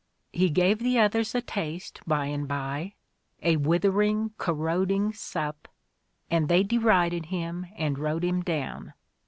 He gave the others a taste by and by — a wither ing, corroding sup — and they derided him and rode him down.